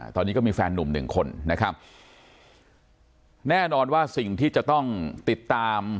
ตอนนี้ก็มีแฟนหนุ่มหนึ่งคนนะครับแน่นอนว่าสิ่งที่จะต้องติดตาม